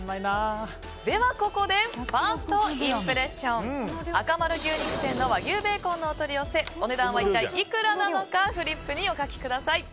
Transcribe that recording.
ではここでファーストインプレッションあかまる牛肉店の和牛ベーコンのお取り寄せお値段は一体、いくらなのかフリップにお書きください。